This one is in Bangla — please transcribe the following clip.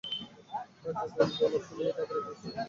রাজ্যের ব্যাঙ গলা ফুলিয়ে ডাকাডাকি করছে।